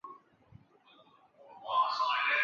其中愉翠苑占整区人口的大约三分之二。